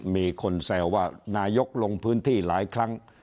มีคนแซวว่านายกลงพื้นที่หลายครั้ง